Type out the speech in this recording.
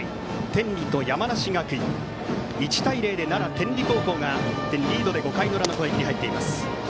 天理と山梨学院は１対０で奈良・天理高校リードで５回の裏の攻撃に入っています。